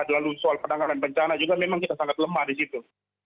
lalu soal penanganan bencana juga memang kita sangat lemah di situ